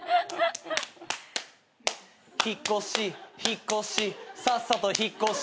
「引っ越し引っ越し」「さっさと引っ越し」